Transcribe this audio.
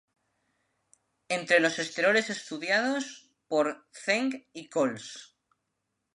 Entre los esteroles estudiados por Zheng y cols.